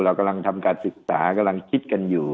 เรากำลังทำการศึกษากำลังคิดกันอยู่